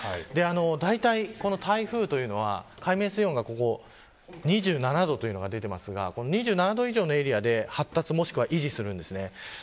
だいたい台風というのは海面水温が２７度というのが出ていますが２７度以上のエリアで発達もしくは維持します。